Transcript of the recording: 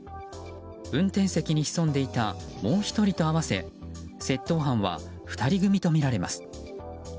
運転席に潜んでいたもう１人と合わせ窃盗犯は２人組とみられます。